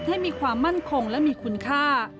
ให้มีความมั่นคงและมีคุณค่า